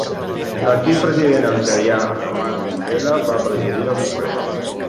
L'antic president algerià, Ahmed Ben Bella, va presidir la conferència.